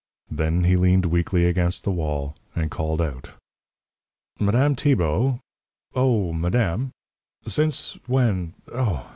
Then he leaned weakly against the wall, and called out: "Madame Tibault! Oh, madame! Since when oh!